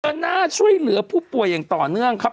เดินหน้าช่วยเหลือผู้ป่วยอย่างต่อเนื่องครับ